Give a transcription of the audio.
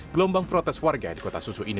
gelombang protes warga di kota susu ini